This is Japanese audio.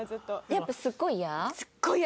やっぱすっごいイヤ？